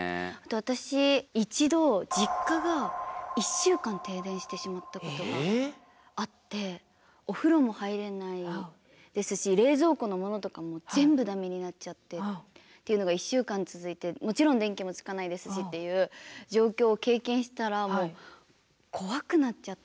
私一度実家が１週間停電してしまったことがあってお風呂も入れないですし冷蔵庫のものとかも全部駄目になっちゃってっていうのが１週間続いてもちろん電気もつかないですしっていう状況を経験したらもう怖くなっちゃって。